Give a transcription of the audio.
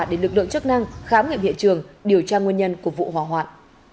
đến lực lượng chức năng khám nghiệm hiện trường điều tra nguyên nhân của vụ hóa hoạn